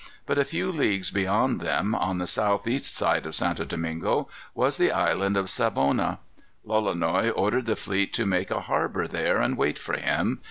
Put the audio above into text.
But a few leagues beyond them, on the south east side of St. Domingo, was the Island of Savona. Lolonois ordered the fleet to make a harbor there, and wait for him.